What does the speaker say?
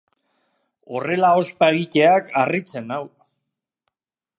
Horrela ospa egiteak harritzen nau.